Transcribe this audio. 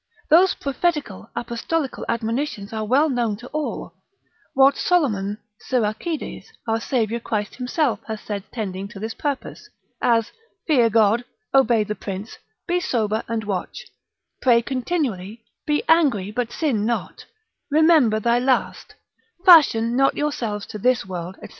Those prophetical, apostolical admonitions are well known to all; what Solomon, Siracides, our Saviour Christ himself hath said tending to this purpose, as fear God: obey the prince: be sober and watch: pray continually: be angry but sin not: remember thy last: fashion not yourselves to this world, &c.